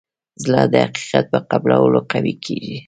زړه د حقیقت په قبلولو قوي کېږي.